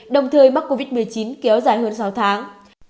đồng thời mắc covid một mươi chín kéo dài hơn sáu tháng